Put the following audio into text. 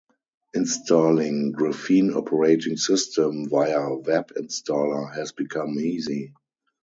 Installing Graphene Operating System via web installer has become easy.